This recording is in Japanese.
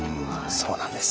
そうなんです。